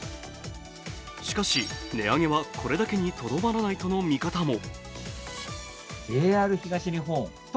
しかし、値上げはこれだけにとどまらないとの見方も。